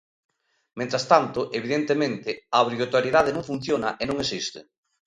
Mentres tanto, evidentemente, a obrigatoriedade non funciona e non existe.